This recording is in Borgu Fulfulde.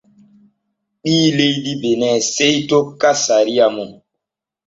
Ɓii leydi Bene sey tokka sariya mum.